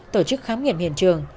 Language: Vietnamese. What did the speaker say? tổ chức khám nghiệm hiện trường